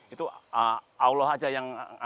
itu allah aja yang